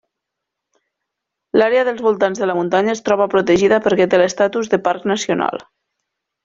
L'àrea dels voltants de la muntanya es troba protegida perquè té l'estatus de parc nacional.